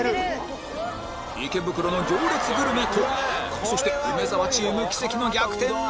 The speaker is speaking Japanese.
池袋の行列グルメとそして梅沢チーム奇跡の逆転なるか？